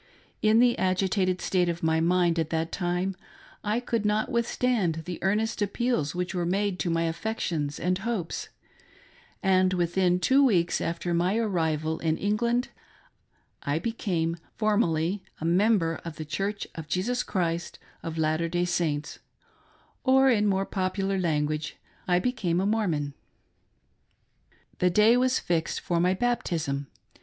In the agitated state of my mind at that time, I could not withstand the earnest appeals which were made to my affections and hopes ; and within two weeks after my arrival in England, I became form ally a member of the Church of Jesus Christ of Latter day Saints ; or in more popular language — I became a Mormon. The day was fixed for my baptism.